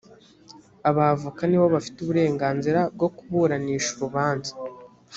abavoca nibo bafite uburenganzira bwo kuburanisha urubanza